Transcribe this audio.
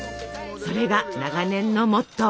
それが長年のモットー。